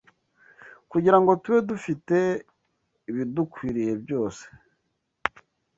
kugira ngo tube dufite ibidukwiriye byose